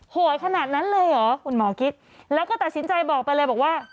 โหดขนาดนั้นเลยเหรอคุณหมอกิ๊กแล้วก็ตัดสินใจบอกไปเลยบอกว่า